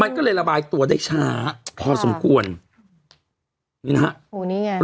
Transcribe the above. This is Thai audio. มันก็เลยระบายตัวได้ช้าพอสมควรนี่นะฮะโอ้นี่ไง